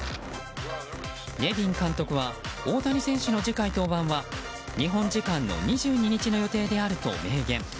ネビン監督は大谷選手の次回登板は日本時間の２２日の予定であると明言。